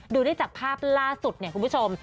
ดูได้จากภาพล่าสุดเนี่ยคุณผู้ชม